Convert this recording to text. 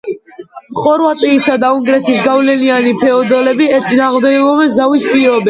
ხორვატიისა და უნგრეთის გავლენიანი ფეოდალები ეწინააღმდეგებოდნენ ზავის პირობებს.